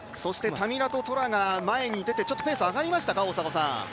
タミラト・トラが前に出てペースが上がりましたか。